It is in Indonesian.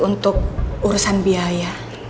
untuk urusan biaya